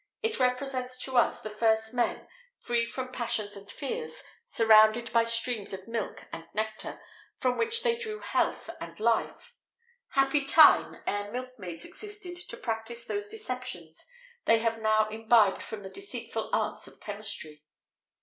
It represents to us the first men, free from passions and fears, surrounded by streams of milk and nectar, from which they drew health and life.[XVIII 4] Happy time! ere milk maids existed to practise those deceptions they have now imbibed from the deceitful arts of chemistry.